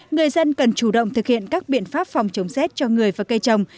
người dân cần chủ động thực hiện các biện pháp phòng chống rét cho người và cây trồng